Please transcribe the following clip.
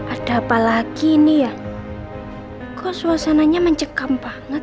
ada apa lagi nih ya kok suasananya mencekam banget